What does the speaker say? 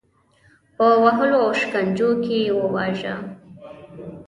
په وهلو او شکنجو کې وواژه.